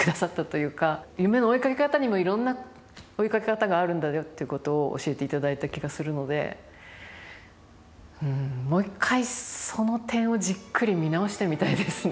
夢の追いかけ方にもいろんな追いかけ方があるんだよっていうことを教えていただいた気がするのでうんもう一回その点をじっくり見直してみたいですね